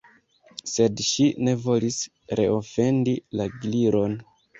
Sed ŝi ne volis reofendi la Gliron.